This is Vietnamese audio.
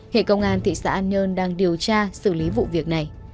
hệ công an thị xã an nhơn đang điều tra xử lý vụ việc này